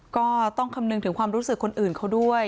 ก็ต้องคำนึงถึงความรู้สึกคนอื่นเขาด้วย